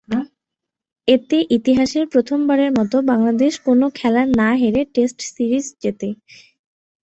এতে ইতিহাসের প্রথমবারের মতো বাংলাদেশ কোনো খেলা না হেরে টেস্ট সিরিজ জেতে।